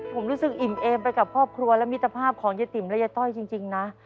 ผมรู้สึกอิ่มเอมไปกับครอบครัวและมิตรภาพของยายติ๋มและยายต้อยจริงนะ